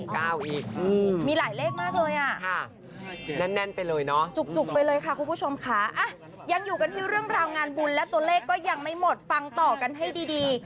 มีหลายเลขมากเลยอ่ะค่ะแน่นไปเลยเนาะจุกไปเลยค่ะคุณผู้ชมค่ะยังอยู่กันที่เรื่องราวงานบุญและตัวเลขก็ยังไม่หมดฟังต่อกันให้ดี